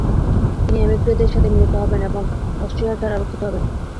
তিনি এমিগ্রে'দের সাথে মিলিত হবেন এবং অষ্ট্রিয়ার দ্বারা রক্ষিত হবেন।